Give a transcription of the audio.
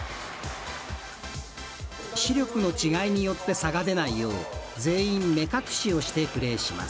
視力の違いによって差が出ないよう全員、目隠しをしてプレーします。